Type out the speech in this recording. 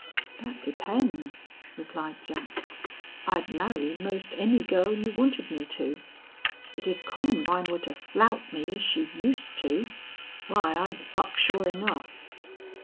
"That depends," replied Jack. "I'd marry `most any girl you wanted me to. But if Columbine were to flout me as she used to why, I'd buck sure enough....